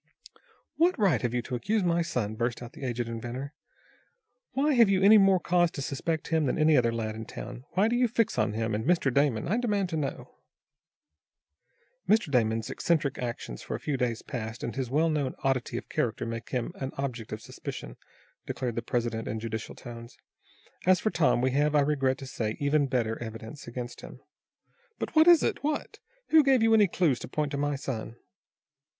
"What right have you to accuse my son?" burst out the aged inventor. "Why have you any more cause to suspect him than any other lad in town? Why do you fix on him, and Mr. Damon? I demand to know." "Mr. Damon's eccentric actions for a few days past, and his well known oddity of character make him an object of suspicion," declared the president in judicial tones. "As for Tom, we have, I regret to say, even better evidence against him." "But what is it? What? Who gave you any clues to point to my son?"